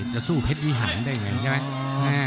จะสู้เพชรวิหานได้อย่างนี้ใช่ไหม